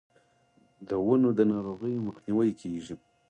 د ونو د ناروغیو مخنیوی کیږي.